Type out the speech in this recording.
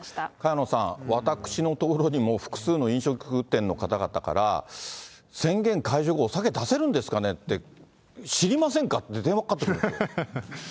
萱野さん、私のところにも複数の飲食店の方々から宣言解除後お酒出せるんですかねって、知りませんか？